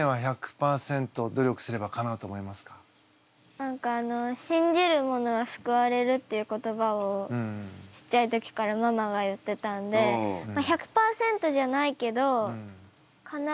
何かあの信じる者はすくわれるっていう言葉をちっちゃい時からママが言ってたんでまあ１００％じゃないけどかなうとは思います。